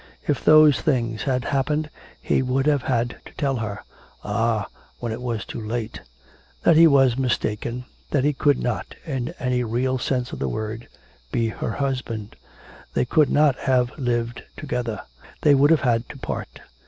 If those things had happened he would have had to tell her ah! when it was too late that he was mistaken, that he could not, in any real sense of the word, be her husband. They could not have lived together. They would have had to part.